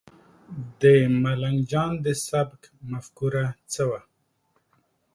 د ملنګ جان د سبک مفکوره څه وه؟